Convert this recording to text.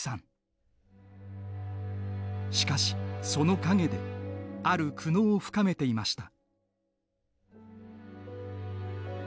しかしその陰である苦悩を深めていました。